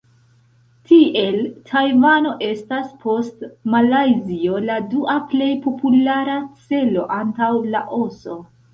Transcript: Tiel Tajvano estas post Malajzio la dua plej populara celo antaŭ Laoso.